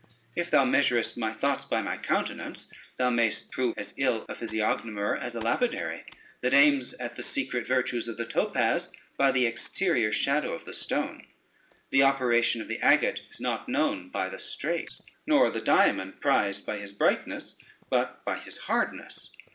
If thou measurest my thoughts by my countenance, thou mayest prove as ill a physiognomer, as the lapidary that aims at the secret virtues of the topaz by the exterior shadow of the stone. The operation of the agate is not known by the strakes, nor the diamond prized by his brightness, but by his hardness.